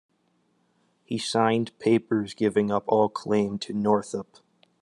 He signed papers giving up all claim to Northup.